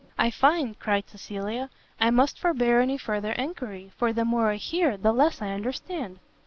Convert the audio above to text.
"I find," cried Cecilia, "I must forbear any further enquiry, for the more I hear, the less I understand."